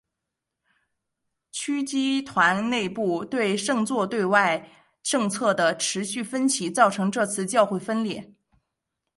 枢机团内部对圣座对外政策的持续分歧造成这次教会分裂。